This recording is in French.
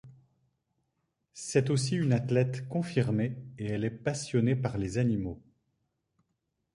C'est aussi une athlète confirmée et elle est passionné par les animaux.